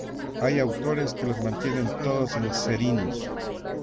Hay autores que los mantienen todos en "Serinus".